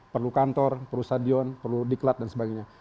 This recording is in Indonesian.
perlu kantor perlu stadion perlu diklat dan sebagainya